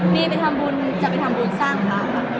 นี่จะเป็นธรรมบุญสร้างภาพ